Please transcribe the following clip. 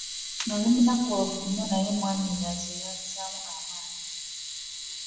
Nali munakuwavu nnyo naye mwannyinaze yanzizaamu amaanyi.